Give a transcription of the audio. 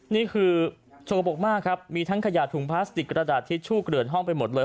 นี่คือโชว์ปกมากครับมีทั้งขยะถุงพลาสติกกระดาษทิชชู่เกลือนห้องไปหมดเลย